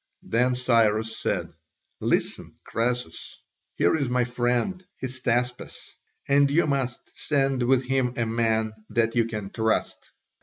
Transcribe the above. Then Cyrus said, "Listen, Croesus, here is my friend, Hystaspas, and you must send with him a man that you can trust."